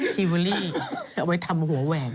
ชีวิลลี่เอาไว้ทำหัวแหวง